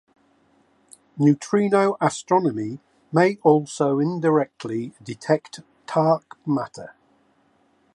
Neutrino astronomy may also indirectly detect dark matter.